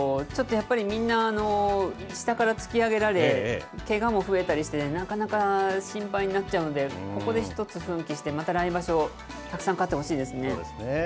ちょっとやっぱり、みんな下から突き上げられ、けがも増えたりしてですね、なかなか心配になっちゃうんで、ここで一つ奮起して、また来場所、たくさん勝ってほしいですね。